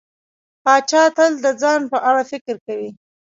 پاچا تل د ځان په اړه فکر کوي.